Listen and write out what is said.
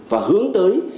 và hướng tới